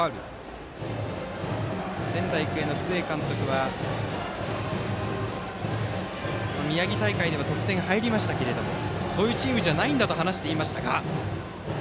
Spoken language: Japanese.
仙台育英の須江監督は宮城大会では得点は入りましたけれどもそういうチームじゃないんだと話していましたが。